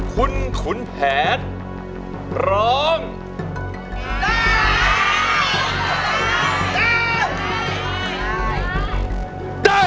คุณคุณแผนร้องได้